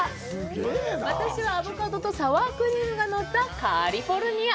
私はアボカドとサワークリームが載った「カリフォルニア」